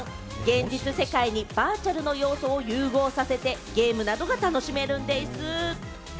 現実世界にバーチャルの要素を融合させて、ゲームなどが楽しめるんでぃす。